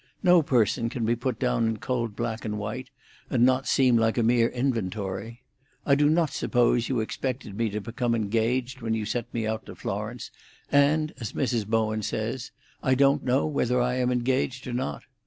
No person can be put down in cold black and white, and not seem like a mere inventory. I do not suppose you expected me to become engaged when you sent me out to Florence, and, as Mrs. Bowen says, I don't know whether I am engaged or not.